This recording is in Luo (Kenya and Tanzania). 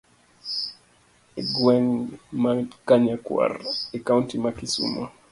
Egweng' ma kanyakwar e kaunti ma kisumo.